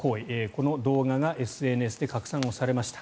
この動画がＳＮＳで拡散されました。